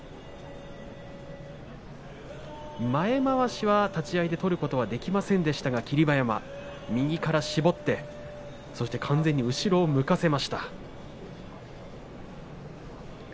前まわしは立ち合いで取ることはできませんでしたが霧馬山、右から絞ってそして完全に後ろを向かせました。